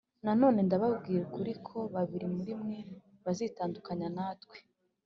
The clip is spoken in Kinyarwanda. Nanone ndababwira ukuri ko babiri muri mwe bazitandukanya natwe